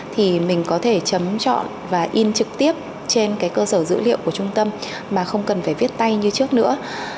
thì mình có thể chấm chọn và in trực tiếp trên cái cơ sở dữ liệu của trung tâm mà không cần phải viết tay như trước nữa